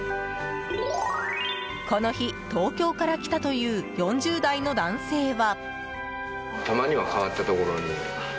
この日、東京から来たという４０代の男性は。